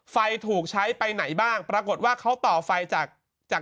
ไฟถูกใช้ไปไหนบ้างปรากฏว่าเขาต่อไฟจากจาก